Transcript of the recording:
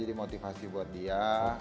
jadi motivasi buat dia